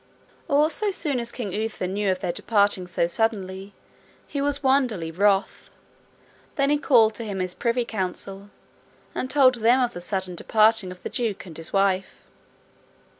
All so soon as King Uther knew of their departing so suddenly, he was wonderly wroth. Then he called to him his privy council, and told them of the sudden departing of the duke and his wife.